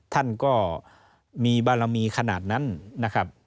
ท่านก็มีบารมีขนาดนั้นนะครับ